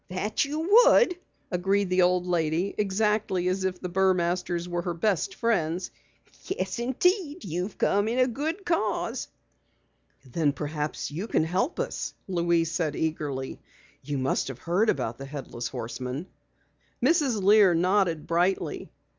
"That you would," agreed the old lady exactly as if the Burmasters were her best friends. "Yes, indeed, you've come in a good cause." "Then perhaps you can help us," Louise said eagerly. "You must have heard about the Headless Horseman." Mrs. Lear nodded brightly.